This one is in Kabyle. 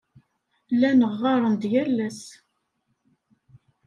Llan ɣɣaren-d yal ass.